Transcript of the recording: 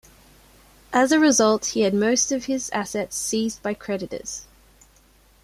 As a result, he had most of his assets seized by creditors.